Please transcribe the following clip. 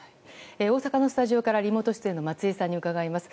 大阪のスタジオからリモート出演の松井さんに伺います。